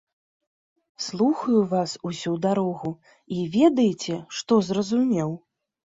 Слухаю вас усю дарогу і, ведаеце, што зразумеў?